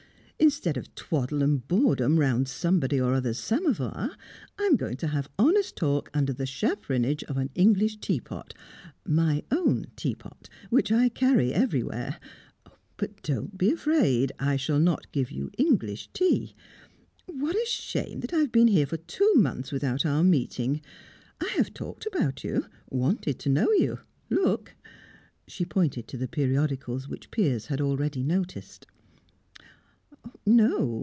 Instead of twaddle and boredom round somebody or other's samovar, I am going to have honest talk under the chaperonage of an English teapot my own teapot, which I carry everywhere. But don't be afraid; I shall not give you English tea. What a shame that I have been here for two months without our meeting! I have talked about you wanted to know you. Look!" She pointed to the periodicals which Piers had already noticed.